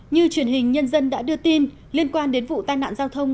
như truyền hình nhân dân đã đưa tin liên quan đến vụ tai nạn giao thông